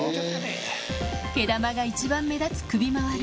毛玉が一番目立つ首まわり